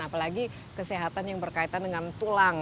apalagi kesehatan yang berkaitan dengan tulang